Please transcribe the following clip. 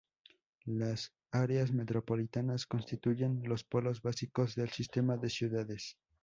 Las áreas metropolitanas constituyen los polos básicos del sistema de ciudades.